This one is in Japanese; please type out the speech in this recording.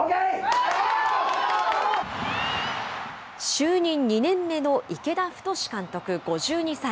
就任２年目の池田太監督５２歳。